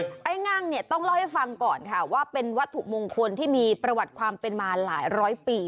ต้องเล่าให้ฟังก่อนว่าเป็นวัตถุมงคลที่ไปสัญญาณความสายงุ่นร้อยปี